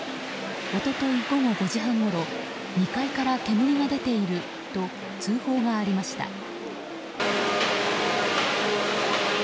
一昨日午後５時半ごろ２階から煙が出ていると通報がありました。